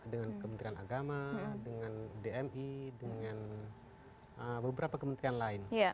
dengan kementerian agama dengan dmi dengan beberapa kementerian lain